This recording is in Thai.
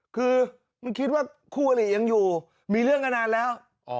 คือไม่คิดว่าคู่อลิยังอยู่มีเรื่องกันนานแล้ว